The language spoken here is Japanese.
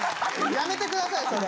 やめてくださいそれ。